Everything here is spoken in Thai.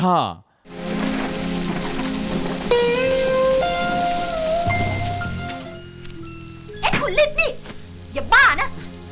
เอ๊ะคุณฤทธิ์นี่อย่าบ้านะ